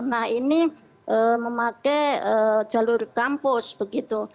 nah ini memakai jalur kampus begitu